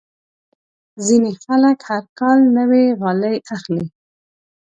ځینې خلک هر کال نوې غالۍ اخلي.